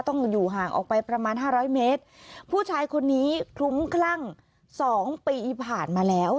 อยู่ห่างออกไปประมาณห้าร้อยเมตรผู้ชายคนนี้คลุ้มคลั่งสองปีผ่านมาแล้ว